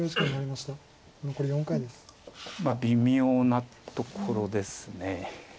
まあ微妙なところです。